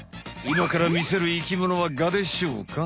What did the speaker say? いまから見せる生きものはガでしょうか？